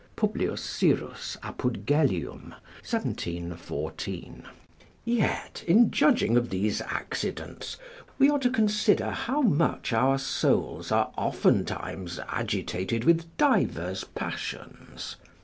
Publius Syrus, apud Gellium, xvii. 14.] yet, in judging of these accidents, we are to consider how much our souls are oftentimes agitated with divers passions.